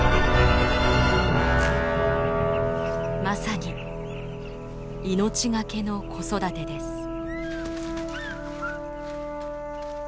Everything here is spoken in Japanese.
まさに命懸けの子育てです。